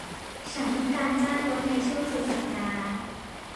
ฉันต้องการจ้างรถในช่วงสุดสัปดาห์